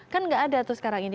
kan nggak ada tuh sekarang ini